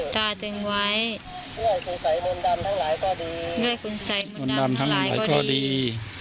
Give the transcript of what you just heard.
ท่าตึงไว้ด้วยกุญไสมนตร์ดำทั้งหลายข้อดี